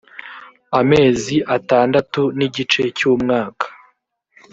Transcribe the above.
amezi atandatu nigice cyumwaka.